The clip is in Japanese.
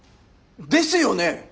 ですよね！